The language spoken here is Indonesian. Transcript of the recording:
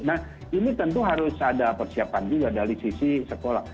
nah ini tentu harus ada persiapan juga dari sisi sekolah